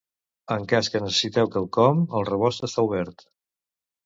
En cas que necessiteu quelcom, el rebost està obert.